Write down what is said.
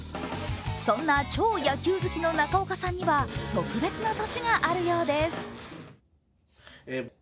そんな超野球好きの中岡さんには特別な年があるようです。